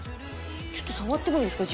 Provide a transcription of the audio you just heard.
ちょっと触ってもいいですか？